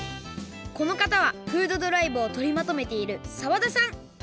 このかたはフードドライブをとりまとめている澤田さん。